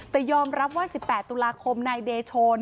แต่ยอมรับว่า๑๘ตุลาคมนายเดโชน